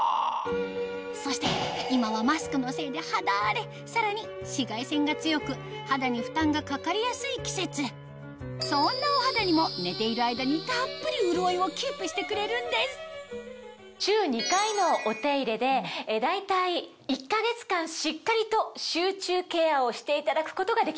そして今はマスクのせいで肌荒れさらに紫外線が強く肌に負担がかかりやすい季節そんなお肌にも寝ている間にたっぷり潤いをキープしてくれるんです週２回のお手入れで大体１か月間しっかりと集中ケアをしていただくことができます。